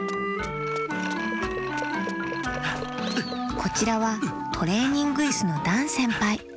こちらはトレーニングイスのダンせんぱい。